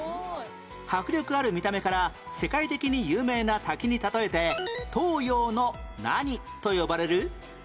迫力ある見た目から世界的に有名な滝に例えて東洋の何と呼ばれる？